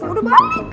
udah balik kok